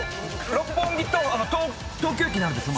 六本木と東京駅にあるでしょ